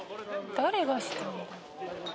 誰がしたんだ？